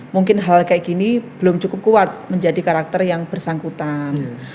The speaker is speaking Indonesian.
mungkin hal kayak gini belum cukup kuat menjadi karakter yang bersangkutan